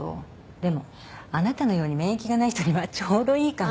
でもあなたのように免疫がない人にはちょうどいいかも。